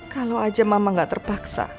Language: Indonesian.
kalau aja mama gak terpaksa